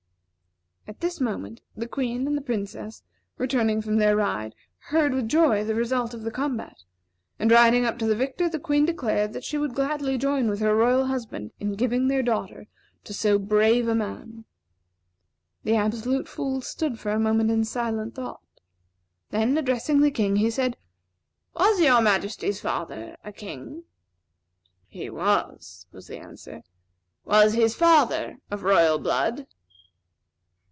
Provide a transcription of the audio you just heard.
At this moment, the Queen and the Princess, returning from their ride, heard with joy the result of the combat; and riding up to the victor, the Queen declared that she would gladly join with her royal husband in giving their daughter to so brave a man. The Absolute Fool stood for a moment in silent thought; then, addressing the King, he said: "Was Your Majesty's father a king?" "He was," was the answer. "Was his father of royal blood?"